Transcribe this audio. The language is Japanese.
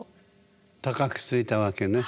高くついたわけね。